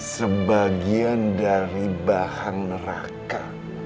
sebagian dari bahan neraka